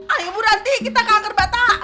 ayo bu ranti kita ke akar bata